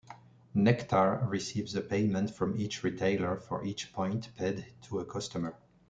Nectar receives a payment from each retailer for each point paid to a customer.